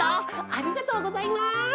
ありがとうございます。